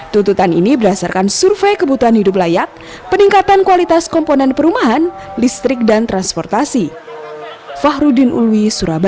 tuntutan ini berdasarkan survei kebutuhan hidup layak peningkatan kualitas komponen perumahan listrik dan transportasi